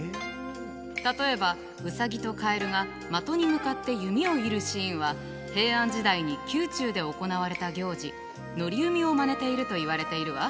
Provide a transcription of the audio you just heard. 例えばウサギとカエルが的に向かって弓を射るシーンは平安時代に宮中で行われた行事賭弓をまねているといわれているわ。